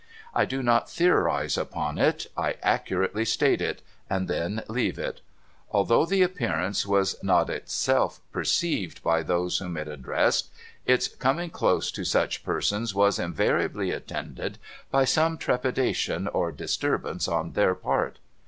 I do not theorise upon it ; I accurately state it, and there leave it. Although the Appearance 4o6 DOCTOR MARIGOLD was not itself perceived by those whom it addressed, its coming close to such persons was invariably attended by some trepidation or disturbance on their part.